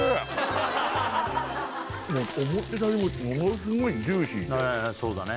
思ってたよりもものすごいジューシーでそうだね